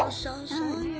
そうよ。